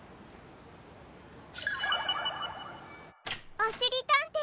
おしりたんていさん。